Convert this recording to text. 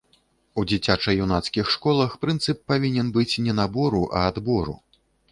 У дзіцяча-юнацкіх школах прынцып павінен быць не набору, а адбору.